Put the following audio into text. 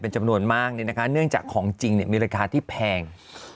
จำนวนมากเนื่องจากของจริงมีราคาที่แพง